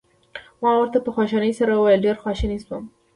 ما ورته په خواشینۍ سره وویل: ډېر خواشینی شوم.